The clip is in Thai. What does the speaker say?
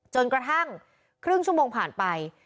จนกระทั่งครึ่งชั่วโมงผ่านไป